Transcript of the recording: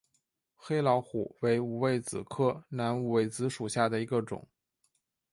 黑老虎为五味子科南五味子属下的一个种。